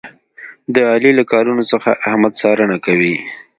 د علي له کارونو څخه احمد څارنه کوي.